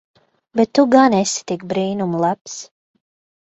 Bet tu gan esi tik brīnum labs.